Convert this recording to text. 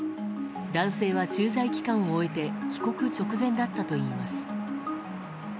男性は駐在期間を終えて帰国直前だったといいます。